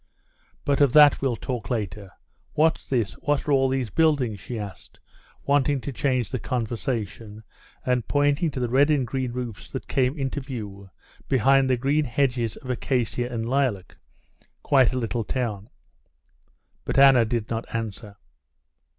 "But of that we'll talk later. What's this, what are all these buildings?" she asked, wanting to change the conversation and pointing to the red and green roofs that came into view behind the green hedges of acacia and lilac. "Quite a little town." But Anna did not answer.